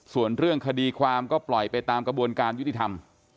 ส่วนเรื่องคดีความก็ปล่อยไปตามกระบวนการยุติธรรม